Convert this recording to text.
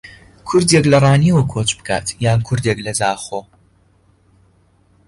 کوردێک لە ڕانیەوە کۆچ بکات یان کوردێک لە زاخۆ